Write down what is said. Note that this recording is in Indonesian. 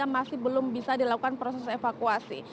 masih belum bisa dilakukan proses evakuasi